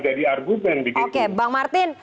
jadi argumen begitu oke bang martin